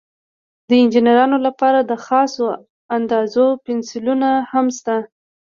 د انجینرانو لپاره د خاصو اندازو پنسلونه هم شته.